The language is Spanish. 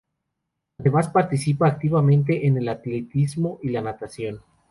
Además participa activamente en el atletismo y la natación.